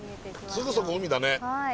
すぐそこ海だね。